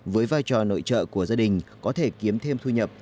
với vai trò nội trợ của gia đình có thể kiếm thêm thu nhập